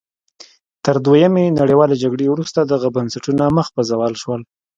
تر دویمې نړیوالې جګړې وروسته دغه بنسټونه مخ په زوال شول.